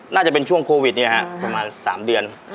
น่าจะเป็นช่วงโควิดเนี่ยฮะประมาณ๓เดือน